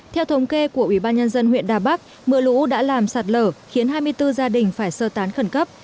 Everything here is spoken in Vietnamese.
theo thống kê của ủy ban nhân dân huyện đà bắc mưa lũ đã làm sạt lở khiến hai mươi bốn gia đình phải sơ tán khẩn cấp